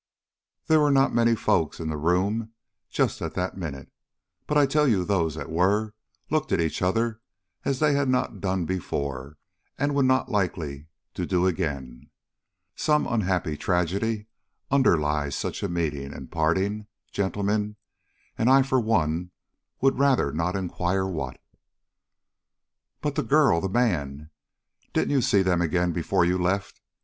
There were not many folks in the room just at that minute, but I tell you those that were looked at each other as they had not done before and would not be likely to do again. Some unhappy tragedy underlies such a meeting and parting, gentlemen, and I for one would rather not inquire what." "But the girl the man didn't you see them again before you left?"